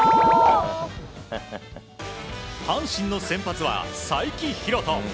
阪神の先発は才木浩人。